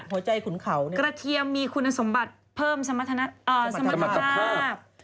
ขุนเขากระเทียมมีคุณสมบัติเพิ่มสมรรถภาพ